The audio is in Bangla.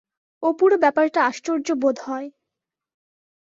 অপুরও ব্যাপারটা আশ্চর্য বোধ হয়।